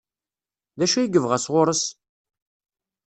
D acu i yebɣa sɣur-s?